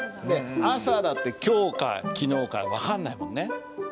「あさ」だって今日かきのうか分かんないもんね。